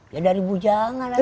ya dari bujangan